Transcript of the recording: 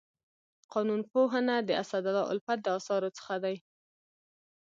قانون پوهنه د اسدالله الفت د اثارو څخه دی.